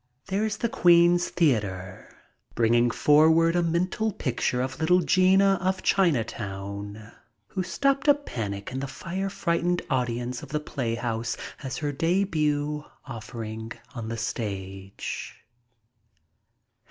94 MY TRIP ABROAD There is the Queen's Theater, bringing forward a mental picture of Httle Gina of Chinatown, who stopped a panic in the fire frightened audience of the playhouse as her debut offering on the stage.